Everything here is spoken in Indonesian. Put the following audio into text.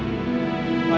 putri butuh kamu maya